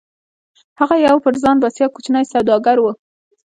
هغه يو پر ځان بسيا کوچنی سوداګر و.